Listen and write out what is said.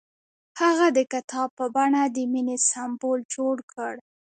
هغه د کتاب په بڼه د مینې سمبول جوړ کړ.